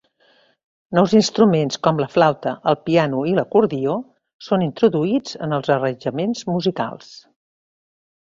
Nous instruments com la flauta, el piano i l'acordió són introduïts en els arranjaments musicals.